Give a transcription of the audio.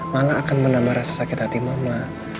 malah akan menambah rasa sakit hati mama